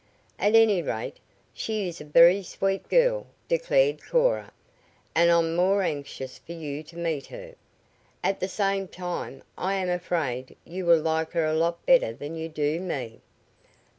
"At any rate, she is a very sweet girl," declared Cora, "and I'm most anxious for you to meet her. At the same time I am afraid you will like her a lot better than you do me."